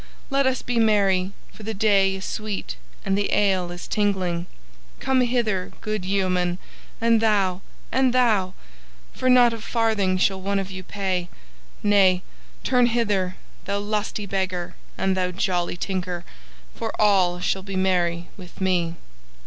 Let us be merry, for the day is sweet and the ale is tingling. Come hither, good yeoman, and thou, and thou; for not a farthing shall one of you pay. Nay, turn hither, thou lusty beggar, and thou jolly tinker, for all shall be merry with me."